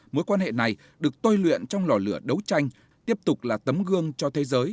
mối quan hệ này được tôi luyện trong lò lửa đấu tranh tiếp tục là tấm gương cho thế giới